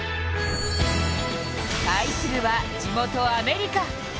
対するは地元アメリカ。